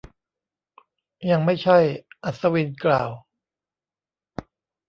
ยังไม่ใช่ อัศวินกล่าว